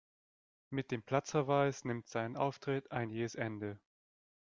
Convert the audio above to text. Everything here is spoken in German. Mit dem Platzverweis nimmt sein Auftritt ein jähes Ende.